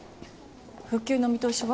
復旧の見通しは？